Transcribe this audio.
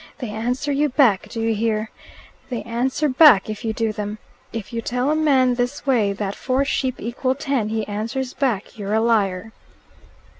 They answer you back do you hear? they answer back if you do them. If you tell a man this way that four sheep equal ten, he answers back you're a liar."